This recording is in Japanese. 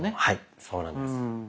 はいそうなんです。